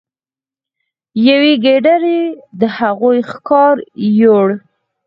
یوې ګیدړې د هغوی ښکار یووړ.